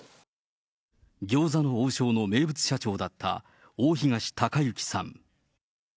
餃子の王将の名物社長だった大東隆行さん。